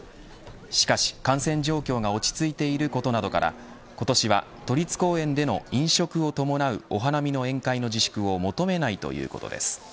しかし、感染状況が落ち着いていることなどから今年は都立公園での、飲食を伴うお花見の宴会の自粛を求めないということです。